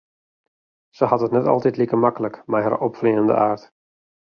Se hat it net altyd like maklik mei har opfleanende aard.